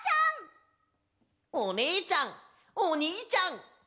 おねえちゃんおにいちゃん。